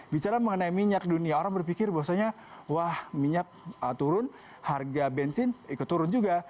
bicara mengenai minyak dunia orang berpikir bahwasanya wah minyak turun harga bensin ikut turun juga